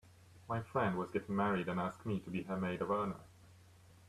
My friend was getting married and asked me to be her maid of honor.